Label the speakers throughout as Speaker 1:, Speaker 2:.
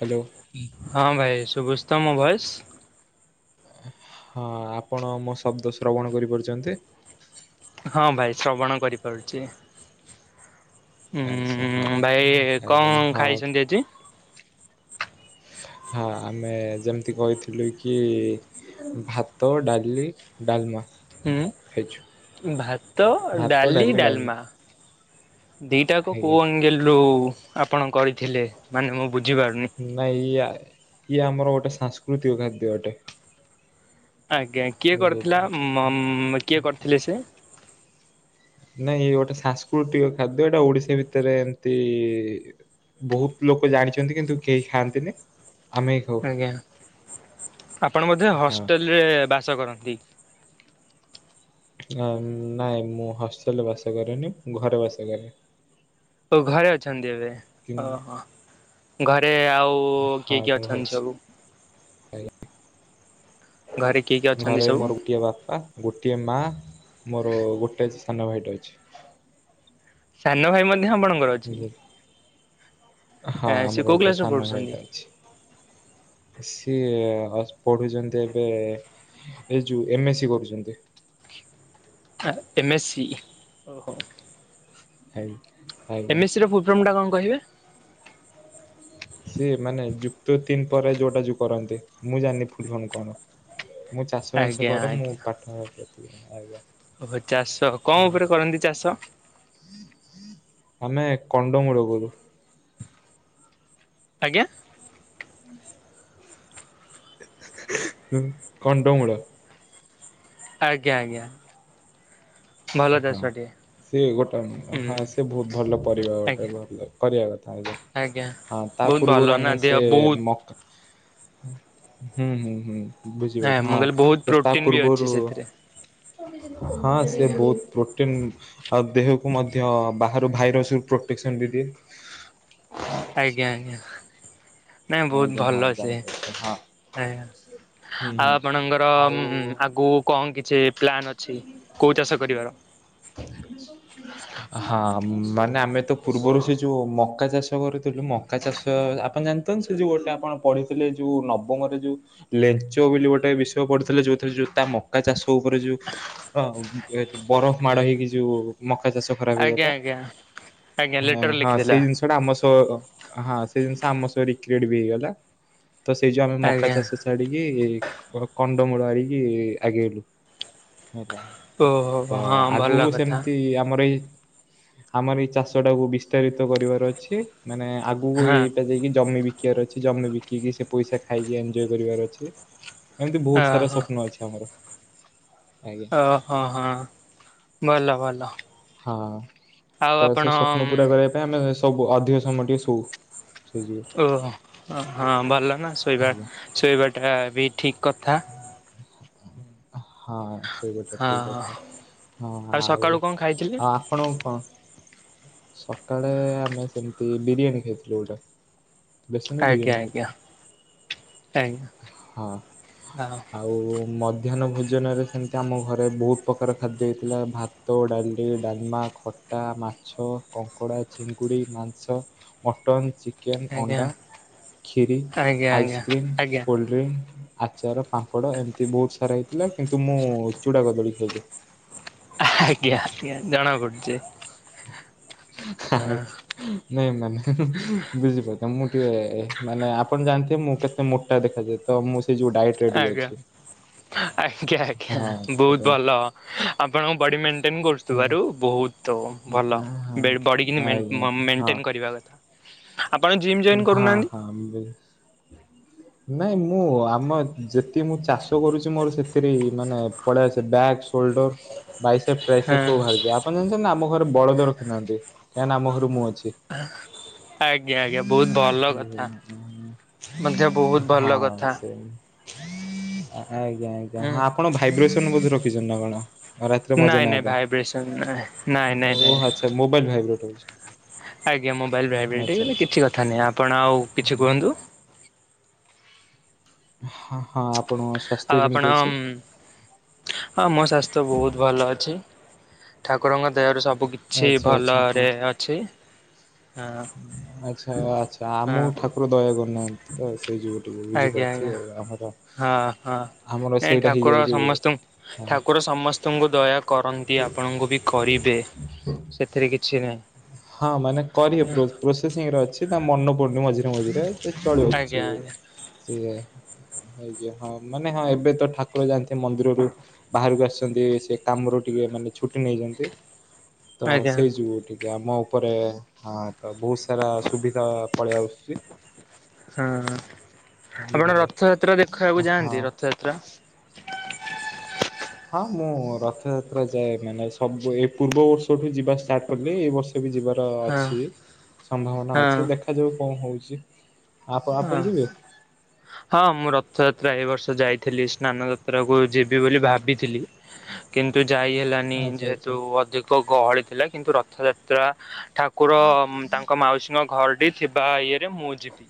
Speaker 1: Hello.
Speaker 2: ହଁ ଭାଇ ଶୁଭୁଚି ତ ମୋ ଭଏସ।
Speaker 1: ହଁ ଆପଣ ମୋ ଶବ୍ଦ ଶ୍ରବଣ କରିପାରୁଚନ୍ତି।
Speaker 2: ହଁ ଭାଇ ଶ୍ରବଣ କରିପାରୁଛି। ହୁଁ
Speaker 1: ଆଚ୍ଛା ହଉ
Speaker 2: ଭାଇ
Speaker 1: ଆଜ୍ଞା
Speaker 2: କଣ
Speaker 1: ହଁ
Speaker 2: ଖାଇଛନ୍ତି ଆଜି?
Speaker 1: ହଁ ଆମେ ଯେମିତି କହିଥିଲୁ କି ଭାତ ଡାଲି ଡାଲମା
Speaker 2: ହୁଁ
Speaker 1: ଖାଇଛୁ।
Speaker 2: ଭାତ ଡାଲି ଡାଲମା। ଦିଟାଆକ କୋଉ
Speaker 1: ଆଜ୍ଞା
Speaker 2: ଆଙ୍ଗଲରୁ ଆପଣ କରିଥିଲେ ମାନେ ମୁଁ ବୁଝିପାରୁନି।
Speaker 1: ନାଇଁ ଇଏ ଇଏ ଆମର ଗୋଟେ ସାଂସ୍କୃତିକ ଖାଦ୍ୟ ଅଟେ।
Speaker 2: ଆଜ୍ଞା କିଏ
Speaker 1: ବୁଝିଲେ
Speaker 2: କରିଥିଲା ମ୍ କିଏ କରିଥିଲେ ସେ?
Speaker 1: ନାଇଁ ଗୋଟେ ସାଂସ୍କୃତିକ ଖାଦ୍ୟ ଏଇଟା ଓଡିଶା ଭିତରେ ଏମତି ବହୁତ ଲୋକ ଜାଣିଛନ୍ତି କିନ୍ତୁ କେହି ଖାଆନ୍ତିନି। ଆମେ ହିଁ ଖାଉ
Speaker 2: ଆଜ୍ଞା ଆପଣ ବୋଧେ
Speaker 1: ହଁ
Speaker 2: ହଷ୍ଟେଲରେ ବାସ କରନ୍ତି।
Speaker 1: ନାଇଁ ମୁଁ ହଷ୍ଟେଲରେ ବାସ କରେନି ଘରେ ବାସ କରେ।
Speaker 2: ଓ ଘରେ ଅଛନ୍ତି ଏବେ
Speaker 1: କିନ୍-
Speaker 2: ଓହୋ ଘରେ ଆଉ ଓ କିଏ
Speaker 1: ହଁ
Speaker 2: କିଏ
Speaker 1: ମୁଁ ଘରେ
Speaker 2: ଅଛନ୍ତି
Speaker 1: ଅଛି
Speaker 2: ସବୁ?
Speaker 1: ଆଜ୍ଞା
Speaker 2: ଘରେ କିଏ କିଏ
Speaker 1: ଘରେ
Speaker 2: ଅଛନ୍ତି ସବୁ?
Speaker 1: ମୋର ଗୋଟିଏ ବାପା ଗୋଟିଏ ମା ମୋର ଗୋଟେ ସାନ ଭାଇଟେ ଅଛି।
Speaker 2: ସାନ ଭାଇ ମଧ୍ୟ ଆପଣଙ୍କର
Speaker 1: ଆଜ୍ଞା।
Speaker 2: ଆଁ ସେ କୋଉ କ୍ଲାସ ରେ ପଢୁଛନ୍ତି?
Speaker 1: ଭାଇଟେ ଅଛି। ସିଏ ପଢୁଛନ୍ତି ଏବେ ଏ ଯୋଉ ଏମ ଏ ସି କରୁଛନ୍ତି।
Speaker 2: ଏମଏସ୍ ସି ଓହୋ।
Speaker 1: [unintelligible]
Speaker 2: ଏମ ଏସ ସି ର ଫୁଡ଼ ଫର୍ମଟା କଣ କହିବେ?
Speaker 1: ସିଏ ମାନେ ଯୁକ୍ତ ତିନ ପରେ ଯୋଉଟା ଯୋଉ କରନ୍ତି। ମୁଁ ଜାଣିନି ଫୁଲଫର୍ମ କଣ? ମୁଁ ଚାଷ ବାସ
Speaker 2: ଆଜ୍ଞା
Speaker 1: କରେ ମୁଁ
Speaker 2: ଆଜ୍ଞା।
Speaker 1: ପାଠ ପ୍ରତିଦିନ ଆଜ୍ଞା
Speaker 2: ଓହୋ, ଚାଷ କଣ
Speaker 1: ହଁ
Speaker 2: ଉପରେ କରନ୍ତି ଚାଷ?
Speaker 1: ଆମେ କଣ୍ଡମୂଳ କରୁ।
Speaker 2: ଆଜ୍ଞା।
Speaker 1: ହୁଁ, କଣ୍ଡମୂଳ।
Speaker 2: ଆଜ୍ଞା, ଆଜ୍ଞା। ଭଲ
Speaker 1: ହଁ
Speaker 2: ଚାଷଟିଏ
Speaker 1: ସିଏ ଗୋଟେ ହଁ
Speaker 2: ହୁଁ
Speaker 1: ସେ ବହୁତ ଭଲ ପରିବା ଗୋଟେ
Speaker 2: ଆଜ୍ଞା
Speaker 1: ଭଲ କରିବା କଥା ଆଜ୍ଞା ହଁ ତା
Speaker 2: ବହୁତ ଭଲ
Speaker 1: ପୂର୍ବରୁ
Speaker 2: ନା
Speaker 1: ଆମେ
Speaker 2: ଦେହ
Speaker 1: ସେ
Speaker 2: ବହୁତ
Speaker 1: ମକ ହୁଁ, ହୁଁ, ହୁଁ, ବୁଝି
Speaker 2: ହଁ
Speaker 1: [unintelligible]
Speaker 2: ମୁଁ କହିଲି ବହୁତ
Speaker 1: ହଁ ତା
Speaker 2: ପ୍ରୋଟିନ ବି ଅଛି
Speaker 1: ପୂର୍ବରୁ
Speaker 2: ସେଥିରେ।
Speaker 1: ହଁ ସେ
Speaker 2: ଆଜ୍ଞା
Speaker 1: ବହୁତ ପ୍ରୋଟିନ୍ ଆଉ ଦେହକୁ ମଧ୍ୟ ବାହା ଭାରୁ ଭାଇରସ୍ ରୁ ପ୍ରୋଟେକସନ୍ ବି ଦିଏ।
Speaker 2: ଆଜ୍ଞା, ଆଜ୍ଞା ନାଇଁ ବହୁତ
Speaker 1: ଆଜ୍ଞା ହଁ
Speaker 2: ଭଲ ସିଏ।
Speaker 1: ଜାଣିପାରୁଛି ହଁ
Speaker 2: ଆଜ୍ଞା
Speaker 1: ହୁଁ
Speaker 2: ଆଉ
Speaker 1: ହୁଁ।
Speaker 2: ଆପଣଙ୍କର ଉଁ,
Speaker 1: ଆଉ
Speaker 2: ଆଗକୁ କନ କିଛି ପ୍ଲାନ୍ ଅଛି କୋଉ ଚାଷ କରିବାର?
Speaker 1: [inaudible] ହଁ ମାନେ ଆମେ ତ ପୂର୍ବରୁ ସେ ଯୋଉ ମକା ଚାଷ କରୁଥିଲୁ। ମକା ଚାଷ ଆପଣ ଜାଣି ତେନ୍ ସେ ଯୋଉ ଗୋଟେ ଆପଣ ପଢିଥିଲେ ଯୋଉ ନବମରେ ଯୋଉ ଲେଚ ବୋଲି ଗୋଟେ ବିଷୟ ପଢ଼ିଥିଲେ ଯୋଉଥିରେ ଯୋଉ ତା ମକା ଚାଷ ଉପରେ ଯୋଉ ଆଉ ଏ ବରଫ ମାଡ ହେଇକି ଯୋଉ ମକା ଚାଷ ଖରାପ
Speaker 2: ଆଜ୍ଞା
Speaker 1: ହେଇଗଲା।
Speaker 2: ଆଜ୍ଞା ଆଜ୍ଞା
Speaker 1: ହେଁ
Speaker 2: ଲେଟର
Speaker 1: ହଁ
Speaker 2: ଲେଖିଥିଲା
Speaker 1: ସେଇ ଜିନିଷ ସେଟା ଆମ ସହ ହଁ ସେ ଜିନିଷ ଆମ ସହ ରିକ୍ରିଏଟ୍ ବି ହେଇଗଲା। ତ ସେଇ ଯୋଉ ଆମେ ମକା
Speaker 2: ଆଜ୍ଞା।
Speaker 1: ଚାଷ ଛାଡିକି। କ-କଣ୍ଡମୂଳ ଆରିକି ଆଗେଇଲୁ। ହେଲା ତ
Speaker 2: ଓହୋ ହଁ ଭଲ
Speaker 1: ଆଗକୁ
Speaker 2: କଥା
Speaker 1: ସେମିତି ଆମର ଏଇ ଆମର ଏଇ ଚାଷ ଟାକୁ ବିସ୍ତାରିତ କରିବାର ଅଛି। ମାନେ ଆଗକୁ
Speaker 2: ହଁ
Speaker 1: ଏଇଟା ଯାଇକି ଜମି ବି କିଆର ଅଛି ଜମି ବିକିକି ସେ ପଇସା ଖାଇକି ଏନଜୟ କରିବାର ଅଛି। ଏମିତି ବହୁତ ସାରା
Speaker 2: ଓହୋ।
Speaker 1: ସ୍ୱପ୍ନ ଅଛି ଆମର। ଆଜ୍ଞା।
Speaker 2: ଓ, ହଁ, ହଁ, ଭଲ ଭଲ।
Speaker 1: ହଁ
Speaker 2: ଆଉ
Speaker 1: ତ
Speaker 2: ଆପଣ
Speaker 1: ସେ ସ୍ୱପ୍ନ ପୁରା କରିବା ପାଇଁ ଆମେ ସବୁ ଅଧିକ ସମୟ ଟିକେ ଶୋଉ। ସେଇ ଯୋଗୁ
Speaker 2: ଓ ହୋ ହଁ ଭଲ ନା ଶୋଇବା
Speaker 1: ଆଜ୍ଞା
Speaker 2: ଶୋଇବାଟା ବି ଠିକ୍ କଥା।
Speaker 1: ହଁ। ସେଇବି ଏଟା
Speaker 2: ହଁ
Speaker 1: ଠିକ କଥା ହଁ ଆଉ
Speaker 2: ସକାଳୁ
Speaker 1: ଆଉ
Speaker 2: କଣ ଖାଇଥିଲେ?
Speaker 1: ଆପଣଙ୍କୁ କଣ ସକାଳେ ଆମେ ସେମତି ବିରିୟାନୀ ଖାଇଥିଲୁ ଗୋଟେ। ବେସନ
Speaker 2: ଆଜ୍ଞା
Speaker 1: ବିରିୟାନୀ
Speaker 2: ଆଜ୍ଞା
Speaker 1: ଖାଇଥିଲୁ।
Speaker 2: ଆଜ୍ଞା
Speaker 1: ହଁ
Speaker 2: ହଁ।
Speaker 1: ଆଉ ମଧ୍ୟାହ୍ନ ଭୋଜନରେ ସେମିତି ଆମ ଘରେ ବହୁତ ପ୍ରକାର ଖାଦ୍ୟ ହେଇଥିଲା। ଭା ତ, ଡାଲି, ଡାଲମା, ଖଟା, ମାଛ, କଙ୍କଡ଼ା, ଚିଙ୍ଗୁଡ଼ି, ମାଂସ ମଟନ୍, ଚିକେନ୍,
Speaker 2: ଆଜ୍ଞା
Speaker 1: ଅଣ୍ଡା, ଖିରି,
Speaker 2: ଆଜ୍ଞା ଆଜ୍ଞା
Speaker 1: ଆଇସ୍କ୍ରିମ୍
Speaker 2: ଆଜ୍ଞା
Speaker 1: [unintelligible] ଆଚାର, ପାମ୍ପଡ ଏମିତି ବହୁତ ସାରା ହେଇଥିଲା କିନ୍ତୁ ମୁଁ ଚୁଡା, କଦଳୀ ଖାଇଲି।
Speaker 2: ଆଜ୍ଞା, ଆଜ୍ଞା ଜଣାପଡୁଚି।
Speaker 1: ଆଜ୍ଞି। ନାଇଁ ମାନେ ବୁଝିପାରୁଛ ମୁଁ ଟିକେ ମାନେ ଆପଣ ଜାଣିଥିବେ ମୁଁ କେତେ ମୋଟା ଦେଖାଯାଉ ତ ମୁଁ ସେ ଯୋଉ ଡାଇଏଟ୍ ରେ ଟିକେ
Speaker 2: ଆଜ୍ଞା
Speaker 1: ଅଛି।
Speaker 2: ଆଜ୍ଞା, ଆଜ୍ଞା
Speaker 1: ହଁ
Speaker 2: ବହୁତ
Speaker 1: ପେଟ
Speaker 2: ଭଲ। ଆପଣଙ୍କ ବଡି ମେଣ୍ଟେନ କରୁଥୁବାରୁ ବହୁତ ତ ଭଲ,
Speaker 1: ହଁ
Speaker 2: ବେଡ଼ ବଡ଼ି କିିନି ମେନ୍
Speaker 1: ଆଜ୍ଞା
Speaker 2: ମ-
Speaker 1: ହଁ
Speaker 2: ମେଣ୍ଟେନ କରିବା କଥା। ଆପଣ ଜିମ୍ ଜଏନ୍ କରୁନାହାନ୍ତି।
Speaker 1: ଆମ୍ବେସ୍ ନାଇଁ, ମୁଁ ଆମ ଯେତିକି ମୁଁ ଚାଷ କରୁଛି ମୋର ସେଥିରେହୀ ମାନେ ପଳେ ଆସେ ବ୍ୟାଗ ସୋଲ୍ଡର ବାଇସେପ୍ ପ୍ରାଇସେପ୍
Speaker 2: ହଁ
Speaker 1: ସବୁ ବାହାରିଯାଏ, ଆପଣ ଜାଣିଛନ୍ତି ନା ଆମ ଘରେ ବଳଦ ରଖି ନାହାନ୍ତି, କାହିଁକି ନା ଆମ ଘରୁ ମୁଁ ଅଛି।
Speaker 2: ଆଜ୍ଞା, ଆଜ୍ଞା, ବହୁତ ଭଲ କଥା ମଧ୍ୟ୍ୟ ବହୁତ ଭଲ
Speaker 1: ହଁ
Speaker 2: କଥା।
Speaker 1: ସେ ଆଜ୍ଞା ଆଜ୍ଞା
Speaker 2: ହୁଁ।
Speaker 1: ହଁ ଆପଣ ଭାଇବ୍ରେସନ ବୋଧେ ରଖିଛନ୍ତି ନା କଣ? ରାତିରେ ମଜା
Speaker 2: ନାଇଁ
Speaker 1: ନବା
Speaker 2: ନାଇଁ ଭାଇବ୍ରେସନ ନାଇଁ ନାଇଁ ନାଇଁ
Speaker 1: ପାଇଁ
Speaker 2: ନାଇଁ
Speaker 1: ଓ ଆଛା ମୋବାଇଲ ଭାଇବ୍ରେଟ ହଉଛି।
Speaker 2: ଆଜ୍ଞା ମୋବାଇଲ୍ ଭାଇବ୍ରେଟ
Speaker 1: ଆଚ୍ଛା
Speaker 2: ହେଇଗଲେ
Speaker 1: ଆଚ୍ଛା
Speaker 2: କିଛି କଥା ନାହିଁ ଆପଣ ଆଉ କିଛି କୁହନ୍ତୁ।
Speaker 1: ହଁ ହଁ ଆପଣ।
Speaker 2: ଆଉ ଆପଣ ଉଁ ହଁ ମୋ ସ୍ୱାସ୍ଥ୍ୟ ବହୁତ ଭଲ ଅଛି ଠାକୁରଙ୍କ ଦୟାରୁ ସବୁ କି ଅଛି
Speaker 1: ଆଚ୍ଛା ଆଚ୍ଛା
Speaker 2: ଭଲରେ
Speaker 1: ହଁ
Speaker 2: ଅଛି। ହଁ
Speaker 1: ଆଚ୍ଛା ଆଚ୍ଛା
Speaker 2: ହଁ।
Speaker 1: ଆମକୁ ଠାକୁର ଦୟା କରୁନାହାନ୍ତି। ସେ ଯୋଉ ଗୋଟିକ ବୁଝି
Speaker 2: ଆଜ୍ଞା ଆଜ୍ଞା
Speaker 1: ପାରୁଥିବେ ଆଉ ଆମର?
Speaker 2: ହଁ ହଁ
Speaker 1: ଆମର
Speaker 2: ନାଇଁ
Speaker 1: ସେଇଟା
Speaker 2: ଠାକୁର
Speaker 1: ହେଇଯାଉଛି
Speaker 2: ସମସ୍ତଙ୍କୁ
Speaker 1: ହୁଁ।
Speaker 2: ଠାକୁର ସମସ୍ତଙ୍କୁ ଦୟା କରନ୍ତି ଆପଣଙ୍କୁ ବି କରିବେ ସେଥିରେ କିଛି ନାହିଁ।
Speaker 1: ହଁ ମାନେ କରିବେ ପ୍ରୋ ପ୍ରୋସେସିଂରେ ଅଛି ତା ମନେ ପଡୁନି ମଝିରେ। ମଝିରେ ମଝିରେ ସେ ଚଳୁ ଅଛି
Speaker 2: ଆଜ୍ଞା ଆଜ୍ଞା
Speaker 1: ସିଏ। ହେଇ ଯ ହଁ ମାନେ ହଁ ଏବେ ତ ଠାକୁର ଯାଆନ୍ତି ମନ୍ଦିରରୁ ବାହାରକୁ ଆସିଛନ୍ତି ସେ କାମରୁ ଟିକେ ମାନେ ଛୁଟି ନେଇଛନ୍ତି। ତ
Speaker 2: ଆଜ୍ଞା
Speaker 1: ସେଇ ଯୁଉଠି ଇଏ ଆମ ଉପରେ ହଁ, ତ ବହୁତ ସାରା ସୁବିଧା ପଳେଇ ଆଶୁଚି।
Speaker 2: ହଁ, ଆପଣ
Speaker 1: ବୁଝିଲେ
Speaker 2: ରଥଯାତ୍ରା ଦେଖବାକୁ
Speaker 1: ହଁ।
Speaker 2: ଯାଆନ୍ତି, ରଥଯାତ୍ରା
Speaker 1: ହଁ ମୁଁ ରଥଯାତ୍ରା ଯାଏ ମାନେ ସବୁ ଏ ପୂର୍ବ ବର୍ଷଠୁ ଯିବା ଷ୍ଟାର୍ଟ କଲି ଏଇ ବର୍ଷ ଏବି ଯିବାର
Speaker 2: ହଁ
Speaker 1: ଅଛି ସମ୍ଭାବନା
Speaker 2: ହଁ।
Speaker 1: ଅଛି। ଦେଖାଯାଉ କଣ ହଉଛି। ଆପ,
Speaker 2: ହଁ
Speaker 1: ଆପଣ ଯିବେ?
Speaker 2: ହଁ, ମୁଁ ରଥଯାତ୍ରା ଏ ବର୍ଷ ଯାଇଥିଲି, ସ୍ନାନ ଯାତ୍ରା କୁ ଯିବି ବୋଲି ଭାବିଥିଲି। କିନ୍ତୁ ଯାଇ ହେଲାନି,
Speaker 1: ଆଚ୍ଛା ଆଚ୍ଛା
Speaker 2: ଯେହେତୁ ଅଧିକ ଗହଳି ଥିଲା। କିନ୍ତୁ ରଥଯାତ୍ରା ଠାକୁର ତାଙ୍କ ମାଉସୀଙ୍କ ଘରଟି ଥିବା ଇଏରେ ମୁଁ ଯିବି।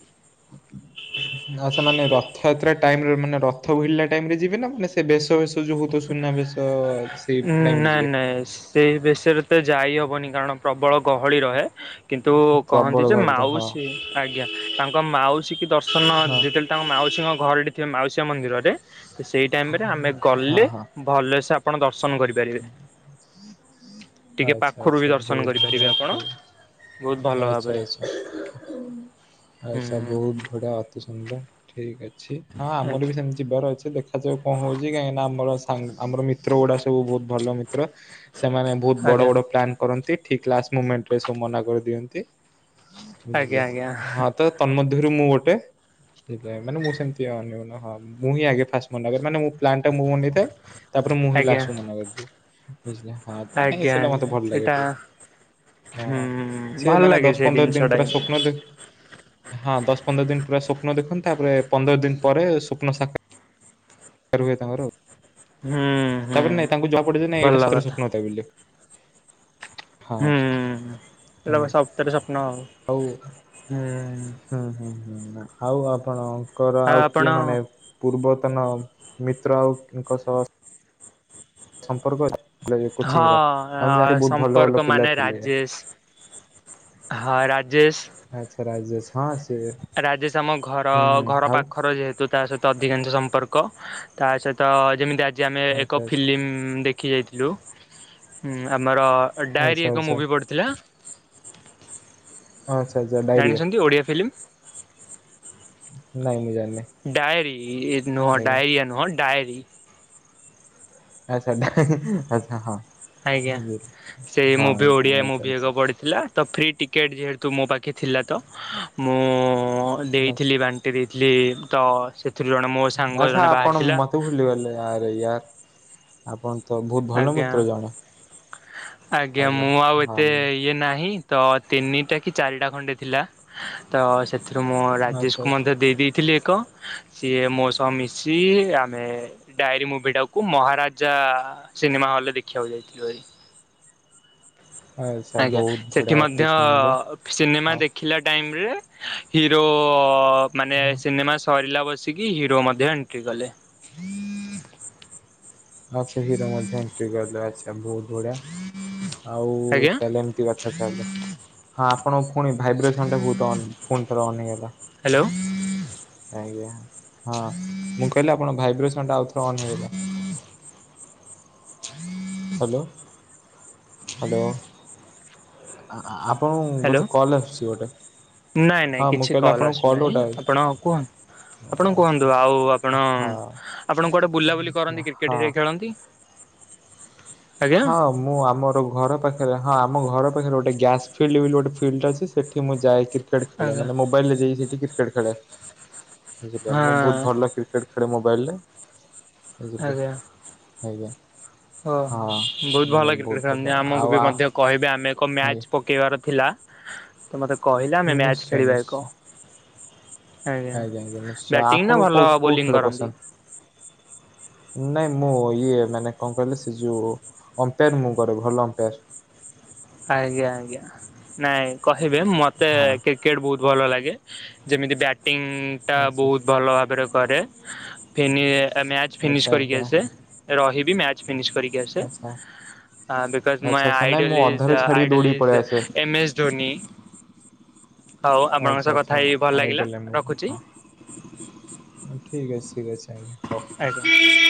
Speaker 1: ଆଉ ସେମାନେ ରଥଯାତ୍ରା ଟାଇମ୍ ରେ ମାନେ ରଥ ଭିଡ଼ିଲା ଟାଇମ୍ ରେ ଯିବେ ନା ମାନେ ସେ ବ୍ରେଶ ବେଶ ଯଉ ହଉଥିବ ସୁନା ବେଶ ସେଇ ଟାଇମ ରେ ଯିବେ।
Speaker 2: ଏସ୍ ସେଇ ବେଶେରେ ତେ ଯାଇ ହବନି କାରଣ ପ୍ରବଳ ଗହଳି ରହେ। କିନ୍ତୁ
Speaker 1: ପ୍ରବଳ
Speaker 2: କହନ୍ତି ଯେ
Speaker 1: ଗହଳି ତ ହଁ।
Speaker 2: ମାଉସୀ ଆଜ୍ଞା ତାଙ୍କ ମାଉସୀ କି ଦର୍ଶନ
Speaker 1: ହଁ
Speaker 2: ଯେତେବେଳେ ତାଙ୍କ ମାଉସୀଙ୍କ ଘରଟି ଥିବେ ମାଉସୀଙ୍କ ମନ୍ଦିରରେ, ସେଇ ଟାଇମ ରେ ଆମେ
Speaker 1: ହଁ
Speaker 2: ଗଲେ
Speaker 1: ହଁ
Speaker 2: ଭଲସେ ଆପଣ ଦର୍ଶନ କରିବ୍ ଟିକେ
Speaker 1: ଆଚ୍ଛା
Speaker 2: ପାଖରୁ ବି
Speaker 1: ଆଚ୍ଛା
Speaker 2: ଦର୍ଶନ
Speaker 1: ବହୁତ ଭରା
Speaker 2: କରିପାରିବେ ଆପଣ
Speaker 1: ଠିକ୍
Speaker 2: ବହୁତ ଭଲ
Speaker 1: ଆଛା,
Speaker 2: ଭାବରେ
Speaker 1: ଆଛା, ଆଛା,
Speaker 2: ହୁଁ।
Speaker 1: ବହୁତ ଗୁଡା଼ ଅତି ସୁନ୍ଦର, ଠିକ ଅଛି ହଁ, ଆମର ବି ସେମିତି। ଯିବାର ଅଛି ଦେଖାଯାଉ କଣ ହଉଛି, କାହିଁକିନା ଆମର ସାଙ୍ଗ, ଆମର ମିତ୍ର ଗୁଡା ସବୁ ବହୁତ ଭଲ ମିତ୍ର। ସେମାନେ ବହୁତ ବଡ଼
Speaker 2: ଆଜ୍ଞା
Speaker 1: ବଡ଼ ପ୍ଲାନ କରନ୍ତି। ଠିକ୍ ଲାଷ୍ଟ ମୁମେଣ୍ଟରେ ସବୁ ମନା କରିଦିଅନ୍ତି। ବୁଝିଲେ,
Speaker 2: ଆଜ୍ଞା ଆଜ୍ଞା
Speaker 1: ହଁ ତ ତନ୍ମମଧ୍ୟ ରୁ ମୁଁ ଗୋଟେ ହେଇଥିଲା, ମାନେ ମୁ ସେମିତି ଅନ୍ୟମନେ ହଁ ମୁହିଁ ହି ଆଗେ ଫାର୍ଷ୍ଟ ମନା କରେ, ମାନେ ମୁ ପ୍ଲାନ ଟା ମୁଁ ବନେଇ ଥାଏ। ତାପରେ ମୁଁହି
Speaker 2: ଆଜ୍ଞା ଆଜ୍ଞା
Speaker 1: ଲାଷ୍ଟ କୁ ମନା କରିଦିଏ ବୁଝିଲେ, ହଁ ତ ନାଇଁ ସେଟା ମତେ
Speaker 2: ଆଜ୍ଞା
Speaker 1: ଭଲ ଲାଗେ
Speaker 2: ସେଇଟା
Speaker 1: ଟିକେ।
Speaker 2: ହୁଁ
Speaker 1: ହଁ, ସେ
Speaker 2: ଭଲ
Speaker 1: ମାନେ
Speaker 2: ଲାଗେ
Speaker 1: ଦଶ
Speaker 2: ସେ
Speaker 1: ପନ୍ଦର
Speaker 2: ଜିନିଷ
Speaker 1: ଦିନ
Speaker 2: ଟା
Speaker 1: ପୁରା
Speaker 2: କିନ୍ତୁ
Speaker 1: ସ୍ୱପ୍ନ ଦେ ହଁ, ଦଶ ପନ୍ଦର ଦିନ ପୁରା ସ୍ୱପ୍ନ ଦେଖନ୍ତୁ ତାପରେ ପନ୍ଦର ଦିନ ପରେ ସ୍ୱପ୍ନ ସା ରୁହେ ତାଙ୍କର?
Speaker 2: ହୁଁ। ହୁଁ
Speaker 1: ତାପରେ ନାଇଁ, ତାଙ୍କୁ ଜବା ପଡେ ନାଇଁ
Speaker 2: ଭଲ
Speaker 1: ଏଇଟା ସ
Speaker 2: କଥା।
Speaker 1: ଶୁନତା ବୋଲି। ହଁ
Speaker 2: ହୁଁ, ଏଟାପା
Speaker 1: ଆଜ୍ଞା।
Speaker 2: ସପ୍ତରେ ସ୍ୱପ୍ନ ଆଉ, ହୁଁ।
Speaker 1: ହୁଁ ହୁଁ। ଆଉ ଆପଣଙ୍କର ଆଉ କିଏ ମାନେ ପୂର୍ବତନ ମିତ୍ର ଆଉଙ୍କ ସହ ସମ୍ପର୍କରେ
Speaker 2: ହଁ
Speaker 1: ଭଲ
Speaker 2: ସମ୍ପର୍କ
Speaker 1: ପିଲା
Speaker 2: ମାନେ
Speaker 1: ଥିଲେ।
Speaker 2: ରାଜେଶ ହଁ ରାଜେସ୍
Speaker 1: ଆଚ୍ଛା ରାଜେସ୍, ହଁ ସେ
Speaker 2: ରାଜେଶ୍ ଆମ ଘର
Speaker 1: ହୁଁ ହୁଁ
Speaker 2: ଘର
Speaker 1: ଆଉ
Speaker 2: ପାଖର ଯେହେତୁ ତା ସହିତ ଅଧିକାଂଶ ସମ୍ପର୍କ, ତା ସହିତ ଯେମିତି ଆଜି ଆମେ
Speaker 1: ଆଚ୍ଛା
Speaker 2: ଏକ
Speaker 1: ଆଚ୍ଛା
Speaker 2: ଫିଲ୍ମ ଦେଖ ଖି ଯାଇଥିଲୁ, ଆମର ଡାଏରୀ
Speaker 1: ଆଚ୍ଛା
Speaker 2: ଏକ
Speaker 1: ଆଚ୍ଛା।
Speaker 2: ମୁଭି ପଡ଼ିଥିଲା।
Speaker 1: ଆଚ୍ଛା ଆଛା
Speaker 2: ଜାଣିଛନ୍ତି ଓଡ଼ିଆ ଫିଲ୍ମ?
Speaker 1: ନାଇଁ ମୁଁ ଜାଣିନାହିଁ।
Speaker 2: ଡା଼ଏରି ନୁହଁ ଡା଼ଇରିଆ ନୁହ ଡା଼ଏରି।
Speaker 1: ଆଛା ଆଚ୍ଛା, ହଁ।
Speaker 2: ଆଜ୍ଞା,
Speaker 1: ବୁଝିଲି।
Speaker 2: ସେଇ
Speaker 1: ହଁ
Speaker 2: ମୁଭି ଓଡ଼ିଆ
Speaker 1: ଆଚ୍ଛା
Speaker 2: ମୁଭି
Speaker 1: ଆଚ୍ଛା
Speaker 2: ଏକ ପଡ଼ିଥିଲା ତ ଫ୍ରି ଟିକେଟ୍ ଯେହେତୁ ମୋ ପା ଖି ଥିଲା ତ, ମୁଁ
Speaker 1: ଆଚ୍ଛା
Speaker 2: ଦେଇଥିଲି ବାଣ୍ଟି ଦେଇଥିଲି, ତ ସେ ସେଥିରୁ ଜଣେ ମୋ ସାଙ୍ଗ
Speaker 1: ଆଚ୍ଛା
Speaker 2: ଜଣେ
Speaker 1: ଆପଣ
Speaker 2: ବାହାରିଥିଲା।
Speaker 1: ମତେ ଭୁଲିଗଲେ ଆରେ ୟାର। ଆପଣ ତ ବହୁତ ଭଲ
Speaker 2: ଆଜ୍ଞା
Speaker 1: ମିତ୍ର ଜଣେ।
Speaker 2: ଆଜ୍ଞା ମୁଁ ଆଉ ଏତେ ଇଏ ନାହିଁ ତ ତିନିଟା କି ଚାରିଟା ଖଣ୍ଡେ ଥିଲା ତ ସେ ଏଥିରୁ ମୁଁ
Speaker 1: ଆଚ୍ଛା
Speaker 2: ରାଜେଶ କୁ
Speaker 1: ଆଚ୍ଛା
Speaker 2: ମଧ୍ୟ ଦେଇ ଦେଇେଇଥିଲି ଏକ ସିଏ ମୋ ସହ ମିଶି, ଆମେ ଡାଏରୀ ମୁଭି ଟାକୁ ମହାରାଜା ସିନେମା ହଲ୍ରେ ଦେଖିବାକୁ ଯାଇଥିଲୁ ଭାଇ।
Speaker 1: ଆଚ୍ଛା
Speaker 2: ଆଜ୍ଞା।
Speaker 1: ବହୁତ
Speaker 2: ସେଠି
Speaker 1: ବଢିଆ ଅତି
Speaker 2: ମଧ୍ୟ
Speaker 1: ସୁନ୍ଦର
Speaker 2: ସିନେମା
Speaker 1: ଆଉ
Speaker 2: ଦେଖିଲା ଟାଇମରେ ହିରୋ ମାନେ ସିନେମା ସରିଲା ବସିକି ହିରୋ ମଧ୍ୟ ଏଣ୍ଟ୍ରି କଲେ
Speaker 1: ଆଛା ହିରୋ ମଧ୍ୟ ଏଣ୍ଟ୍ରି କଲେ ଆଛା ବହୁତ ବଢିଆ। ଆଉ
Speaker 2: ଆଜ୍ଞା
Speaker 1: ତାହେଲେ ଏମିତି କଥା ତାହେଲେ ହଁ ଆପଣଙ୍କ ପୁଣି ଭାଇବ୍ରେସନ ଟା ବହୁତ ଅନ୍ ଫୁଣି ଥର ଅନ୍ ହେଇଗଲା।
Speaker 2: ହାଲୋ।
Speaker 1: ଆଜ୍ଞା। ହଁ ମୁଁ କହିଲି ଆପଣ ଭାଇବ୍ରେସନ ଟା ଆଉ ଥର ଅନ୍ ହେଇଗଲା। Hello hello. ଆ-ଆପଣଙ୍କୁ
Speaker 2: ହ୍ୟାଲୋ
Speaker 1: ବୋଧେ କଲ ଆସୁଛି ଗୋଟେ?
Speaker 2: ନାଇଁ ନାଇଁ
Speaker 1: ହଁ ମୁଁ
Speaker 2: କିଛି
Speaker 1: କହିଲି
Speaker 2: କଲ୍
Speaker 1: ଆପଣଙ୍କୁ
Speaker 2: ଅଛି ନାହିଁ,
Speaker 1: ଗୋଟେ ଆଉଛି।
Speaker 2: ଆପଣ କୁହନ୍ତୁ। ଆପଣ କୁହନ୍ତୁ? ଆଉ ଆପଣ
Speaker 1: ହଁ
Speaker 2: ଆପଣ କୁଆଡେ ବୁଲାବୁଲି କରନ୍ତି କ୍ରିକେଟ
Speaker 1: ହଁ।
Speaker 2: ରେ ଖେଳନ୍ତି? ଆଜ୍ଞା
Speaker 1: ହଁ। ମୁଁ ଆମର ଘର ପାଖରେ ହଁ ଆମ ଘର ପାଖରେ ଗୋଟେ ଗ୍ୟାସ୍ ଫିଲ୍ଡ ବୋଲି ଗୋଟେ ଫିଲ୍ଡ ଅଛି ସେଠି ମୁଁ ଯାଇ କିରି କ୍ରିକେଟ ଖେଳେ।
Speaker 2: ଆଜ୍ଞା
Speaker 1: ମାନେ ମୋବାଇଲରେ ଯାଇ ସେଠି କ୍ରିକେଟ ଖେଳେ। ବୁଝିଲେ
Speaker 2: ହଁ
Speaker 1: ମୁଁ ବହୁତ ଭଲ କ୍ରିକେଟ ଖେଳେ ମୋବାଇଲରେ, ବୁଝିଲେ। ଆଜ୍ଞା।
Speaker 2: ଓ
Speaker 1: ହଁ
Speaker 2: ବୋହୁତ୍
Speaker 1: ମୁଁ
Speaker 2: ଭଲ କ୍ରିକେଟ
Speaker 1: ବହୁତ ଭଲ
Speaker 2: ଖେଳନ୍ତି।
Speaker 1: ଆଉ
Speaker 2: ଆମକୁ ବି
Speaker 1: ଆ
Speaker 2: ମଧ୍ୟ କହିବେ ଆମେ ଏକ
Speaker 1: ଆଜ୍ଞା
Speaker 2: ମ୍ୟାଚ୍ ପକେଇବାର ଥିଲା ତ ମତେ କହିଲା ଆମେ ମ୍ୟାଚ
Speaker 1: ନିଶ୍ଚୟ
Speaker 2: ଖେଳିବା ଏକ।
Speaker 1: ନିଶ୍ଚୟ ଆଜ୍ଞା ଆଜ୍ଞା। ନିଶ୍ଚୟ
Speaker 2: ବ୍ୟାଟିଂ ନା ଭଲ
Speaker 1: ଆପଣଙ୍କୁ କ- କୋଉ
Speaker 2: ବୋଲିଂ
Speaker 1: ଖେଳ
Speaker 2: କରନ୍ତି?
Speaker 1: ପସନ୍ଦ? ନାଇଁ ମୁଁ ଇଏ ମାନେ କଣ କହିଲି ସେ ଯୋଉ ଅମ୍ପାୟାର ମୁଁ କରେ ଭଲ ଅମ୍ପାୟାର।
Speaker 2: ଆଜ୍ଞା ଆଜ୍ଞା। ନାଇଁ କହିବେ ମତେ
Speaker 1: ହଁ।
Speaker 2: କ୍ରିକେଟ୍ ବହୁତ ଭଲ ଲାଗେ। ଯେମିତି ବ୍ୟାଟିଂଟା
Speaker 1: ଆଚ୍ଛା।
Speaker 2: ବହୁତ ଭଲ ଭାବରେ କରେ ଫି ନିଏ ମ୍ୟାଚ ଫିନିଶ କରିକି ଆସେ, ରହିବି ମ୍ୟାଚ ଫିନିଶ କରିକି କରିକି ଆସେ। ବିକଜ୍ ମୁଁ
Speaker 1: ନାଇଁ ମୁଁ
Speaker 2: ଆଇଡଲିଜି,
Speaker 1: ଅଧାରୁ ଛାଡିକି ଦୌଡିକି ପଳେଇ
Speaker 2: ଆଇଡଲିଜି
Speaker 1: ଆସେ।
Speaker 2: ଏମେସ୍ ଏସ୍ ଧୋନି ହଉ ଆପଣଙ୍କ
Speaker 1: ଆଚ୍ଛା
Speaker 2: ସହ କଥା
Speaker 1: ଆଚ୍ଛା
Speaker 2: ହେଇ ଭଲ ଲାଗିଲା
Speaker 1: ଆଇଡଲେମ୍
Speaker 2: ରଖୁଛି
Speaker 1: ହଁ। ଠିକ୍ ଅଛି ଠିକ୍ ଅଛି ଆଜ୍ଞା ଓ
Speaker 2: ଆଜ୍ଞା।